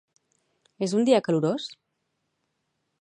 És un dia calorós?